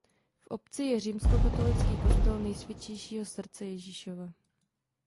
V obci je římskokatolický kostel Nejsvětějšího Srdce Ježíšova.